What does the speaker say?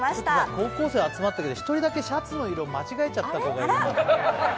高校生集まってるけど１人だけシャツの色間違えちゃった子がいる。